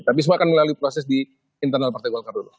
tapi semua akan melalui proses di internal partai golkar dulu